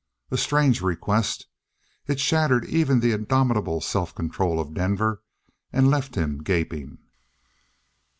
A strange request. It shattered even the indomitable self control of Denver and left him gaping.